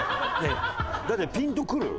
だってピンとくる？